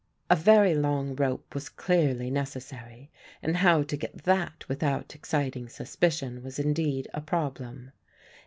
A very long rope was clearly necessary and how to get that without exciting suspicion was indeed a problem.